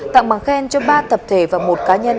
tặng bằng khen cho ba tập thể và một cá nhân